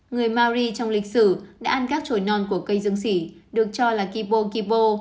người maori trong lịch sử đã ăn các trồi non của cây dương sỉ được cho là kipo kipo